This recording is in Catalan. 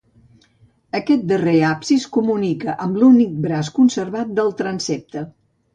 Aquest darrer absis comunica amb l'únic braç conservat del transsepte.